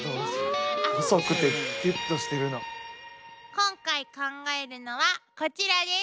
今回考えるのはこちらです。